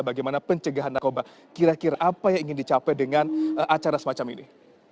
bagaimana pencegahan narkoba kira kira apa yang ingin dicapai dengan acara semacam ini